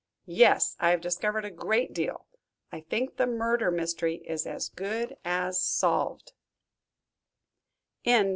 "Yes, I have discovered a great deal. I think the murder mystery is as good as solved."